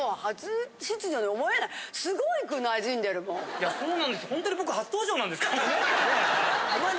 いやそうなんです。